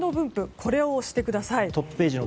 これを押してください。